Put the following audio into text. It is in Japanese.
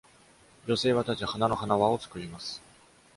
女性は立ち、花の花輪を作ります。